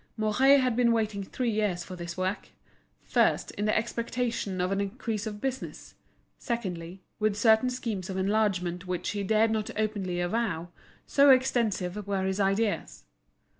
Mouret had been waiting three years for this work—first, in the expectation of an increase of business; secondly, with certain schemes of enlargement which he dared not openly avow, so extensive were his ideas.